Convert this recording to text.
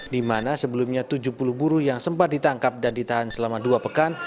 di mana sebelumnya tujuh puluh buruh yang sempat ditangkap dan ditahan selama dua pekan